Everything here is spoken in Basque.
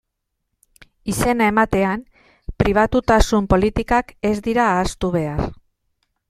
Izena ematean, pribatutasun politikak ez dira ahaztu behar.